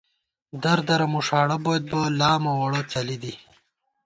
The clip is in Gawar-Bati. در دَرہ مُݭاڑہ بوئیت بہ، لامہ ووڑہ څَلی دی